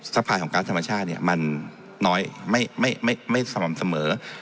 สะพายของการธรรมชาติเนี่ยมันน้อยไม่ไม่ไม่ไม่สม่ำเสมอ